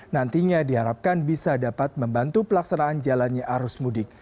nantinya diharapkan bisa dapat membantu pelaksanaan jalannya arus mudik